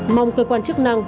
mong cơ quan chức năng